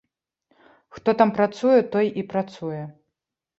Хто там працуе, той і працуе.